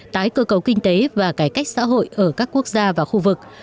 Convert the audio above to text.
tái cơ cấu kinh tế và cải cách xã hội ở các quốc gia và khu vực